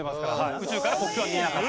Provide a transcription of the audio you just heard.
「宇宙から国境は見えなかった」。